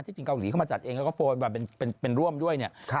จริงเกาหลีเข้ามาจัดเองแล้วก็โฟนมาเป็นร่วมด้วยเนี่ย